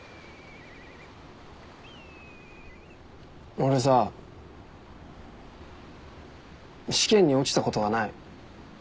俺さ試験に落ちたことはない。